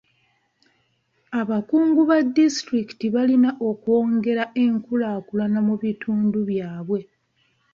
Abakungu ba disitulikiti balina okwongera enkulaakulana mu bitundu byabwe.